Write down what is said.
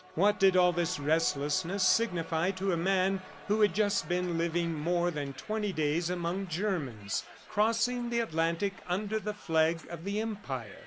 What did all this restlessness signify to a man who had just been living more than twenty days among Germans, crossing the Atlantic under the flag of the Empire?